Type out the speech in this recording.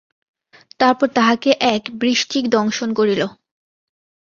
তারপর তাহাকে এক বৃশ্চিক দংশন করিল।